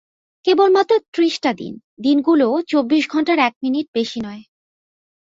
কেবলমাত্র ত্রিশটা দিন, দিনগুলাও চব্বিশ ঘন্টার এক মিনিট বেশি নয়।